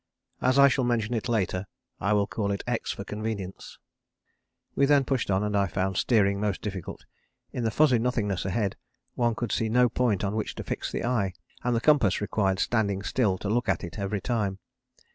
As I shall mention it later I will call it X for convenience. We then pushed on and I found steering most difficult. In the fuzzy nothingness ahead one could see no point on which to fix the eye, and the compass required standing still to look at it every time.